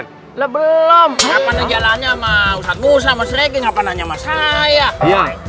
amalia kemana mereka